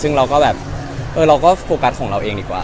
ซึ่งเราก็แบบเออเราก็โฟกัสของเราเองดีกว่า